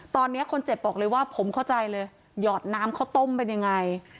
ตอนนี้คนเจ็บบอกเลยว่าผมเข้าใจเลยหยอดน้ำข้าวต้มเป็นยังไง